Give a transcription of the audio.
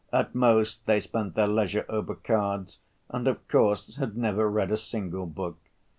At most, they spent their leisure over cards and, of course, had never read a single book.